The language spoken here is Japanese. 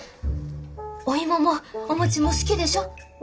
お芋もお餅も好きでしょ。